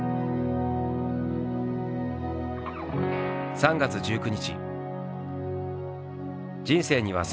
「３月１９日」